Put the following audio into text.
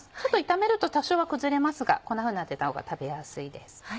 炒めると多少は崩れますがこんなふうになってたほうが食べやすいです。